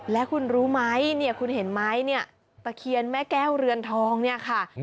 แล้วคุณรู้ไหมเนี่ยคุณเห็นไหมเนี่ยตะเคียนแม่แก้วเรือนทองเนี่ยค่ะ